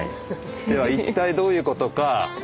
では一体どういうことかはい。